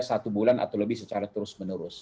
satu bulan atau lebih secara terus menerus